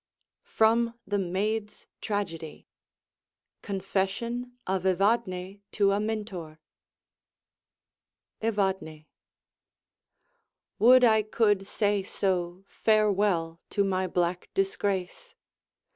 FROM 'THE MAID'S TRAGEDY' CONFESSION OF EVADNE TO AMINTOR Evadne Would I could say so [farewell] to my black disgrace!